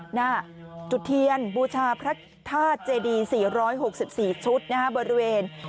หน้าจุดเทียนบูชาพระธาตุเจดี๔๖๔ชุดบริเวณ